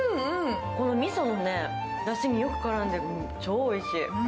みそのだしによく絡んで超おいしい。